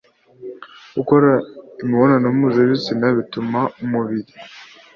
gukora imibonano mpuzabitsina bituma umubiri